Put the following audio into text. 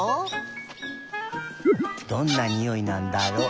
どんなにおいなんだろう。